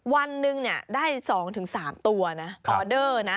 วันหนึ่งได้๒๓ตัวนะออเดอร์นะ